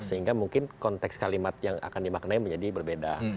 sehingga mungkin konteks kalimat yang akan dimaknai menjadi berbeda